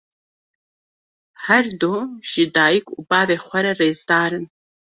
Her du ji dayîk û bavê xwe re rêzdar in.